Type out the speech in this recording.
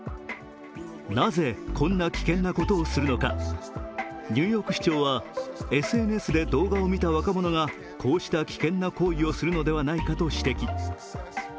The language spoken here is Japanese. なぜ、こんな危険なことをするのかニューヨーク市長はＳＮＳで動画を見た若者がこうした危険な行為をするのではないかと指摘。